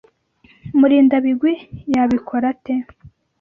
Murindabigwi yabikora ate?